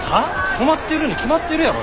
止まってるに決まってるやろ。